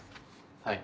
はい。